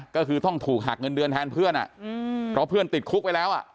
ก็คือต้องถูกหักเงินเดือนแทนเพื่อนเพราะเพื่อนติดคุกไปแล้ว